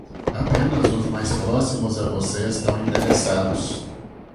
Apenas os mais próximos a você estão interessados.